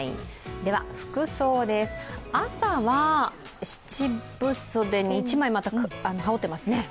服装です、朝は七分袖に一枚羽織ってますね。